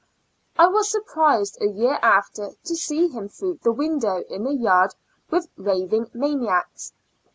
I was surprised a year after to see him through the window in the yard with raving maniacs.